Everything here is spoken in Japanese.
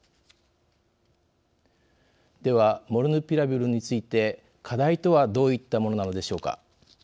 ではモルヌピラビルについて課題とはどういったものなのでしょうか。